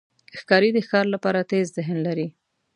ښکاري د ښکار لپاره تېز ذهن لري.